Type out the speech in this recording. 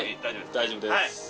大丈夫です。